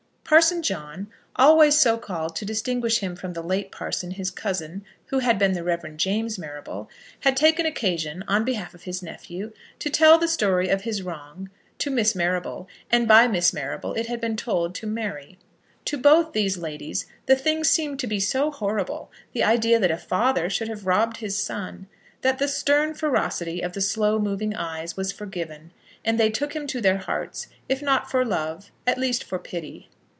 Parson John, always so called to distinguish him from the late parson, his cousin, who had been the Rev. James Marrable, had taken occasion, on behalf of his nephew, to tell the story of his wrong to Miss Marrable, and by Miss Marrable it had been told to Mary. To both these ladies the thing seemed to be so horrible, the idea that a father should have robbed his son, that the stern ferocity of the slow moving eyes was forgiven, and they took him to their hearts, if not for love, at least for pity.